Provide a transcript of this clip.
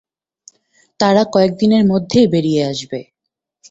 তারা কয়েক দিনের মধ্যেই বেরিয়ে আসবে।